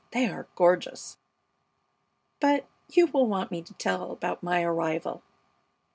They are gorgeous! But you will want me to tell about my arrival.